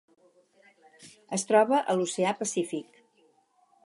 Es troba a l'Oceà Pacífic: